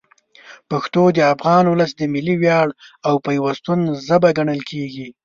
پښتو د افغان ولس د ملي ویاړ او پیوستون ژبه ګڼل کېږي.